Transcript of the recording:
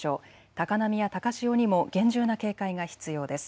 高波や高潮にも厳重な警戒が必要です。